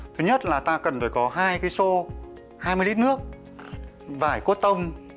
thứ nhất là ta cần phải có hai cái sô hai mươi lít nước vải cốt tông